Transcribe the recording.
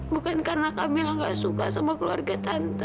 bukan karena kamila tidak suka sama keluarga tante